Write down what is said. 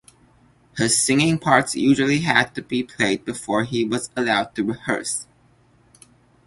His singing parts usually had to be played before he was allowed to rehearse.